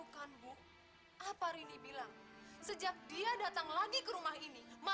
sampai jumpa di video selanjutnya